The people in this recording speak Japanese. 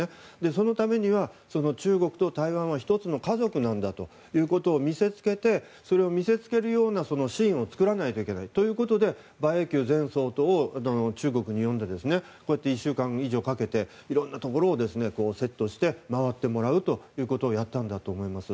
このためには、中国と台湾は１つの家族なんだということを見せつけてそれを見せつけるシーンを作らないといけない。ということで馬英九前総統を中国に呼んだので１週間以上かけていろんなところをセットして回ってもらうということをやったんだと思います。